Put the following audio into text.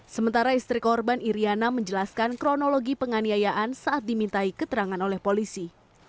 sementara istri korban iryana menjelaskan kronologi penganiayaan saat dimintai keterangan oleh polisi